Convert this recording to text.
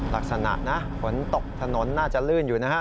ลักษณะนะฝนตกถนนน่าจะลื่นอยู่นะฮะ